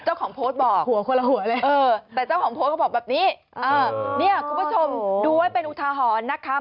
เจ้าของโพสต์บอกแต่เจ้าของโพสต์เขาบอกแบบนี้เนี่ยคุณผู้ชมดูว่าเป็นอุทาหรณ์นะคะ